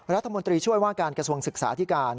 รัฐมนตรีช่วยว่าการกระทรวงศึกษาที่การ